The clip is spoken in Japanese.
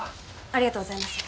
ありがとうございます。